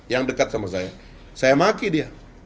yang dekat sama saya saya maki dia